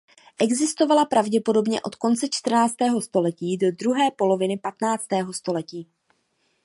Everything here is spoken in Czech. Existovala pravděpodobně od konce čtrnáctého století do druhé poloviny patnáctého století.